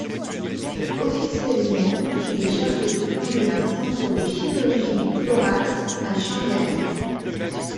Officiellement, il est chargé de fonder un centre de chirurgie du thorax à Shanghai.